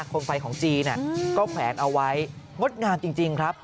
คมไฟของจีนก็แขวนเอาไว้งดงามจริงครับ